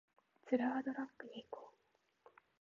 ツルハドラッグに行こう